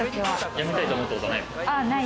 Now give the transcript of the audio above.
やめたいと思ったことはない？